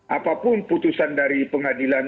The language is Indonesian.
apapun putusan dari pengadilan